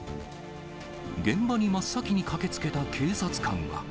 現場に真っ先に駆けつけた警察官は。